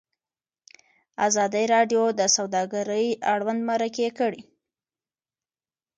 ازادي راډیو د سوداګري اړوند مرکې کړي.